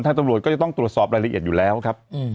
ตำรวจก็จะต้องตรวจสอบรายละเอียดอยู่แล้วครับ